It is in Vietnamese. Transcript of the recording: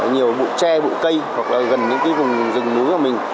nhiều bụi tre bụi cây hoặc là gần những cái vùng rừng núi của mình